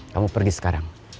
kamu pergi sekarang